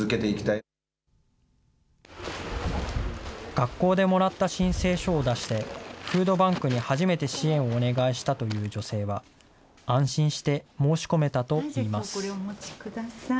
学校でもらった申請書を出して、フードバンクに初めて支援をお願いしたという女性は、これ、お持ちください。